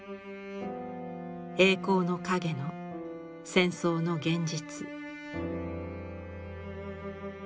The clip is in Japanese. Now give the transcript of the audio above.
栄光の陰の戦争の現実。